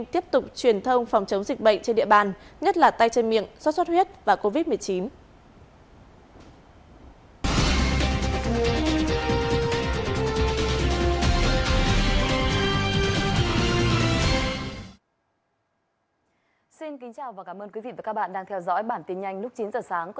tiếp tục truyền thông phòng chống dịch bệnh trên địa bàn